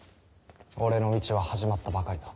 俺の道は始まったばかりだ。